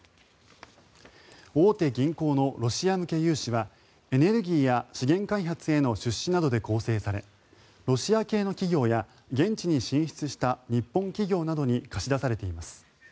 大手銀行のロシア向け融資はエネルギーや資源開発への出資などで構成されロシア系の企業や現地に進出した日本企業などに貸し出されています。